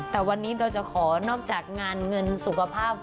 แต่วันนี้เราจะขอนอกจากงานเงินสุขภาพ